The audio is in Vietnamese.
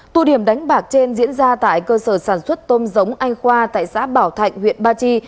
tụ điểm đánh bạc trên diễn ra tại cơ sở sản xuất tôm giống anh khoa tại xã bảo thạnh huyện ba chi